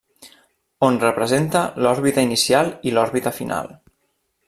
On representa l'òrbita inicial i l'òrbita final.